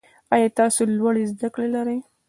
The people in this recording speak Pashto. ایا تاسو لوړې زده کړې لرئ؟